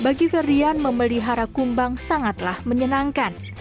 bagi ferdian memelihara kumbang sangatlah menyenangkan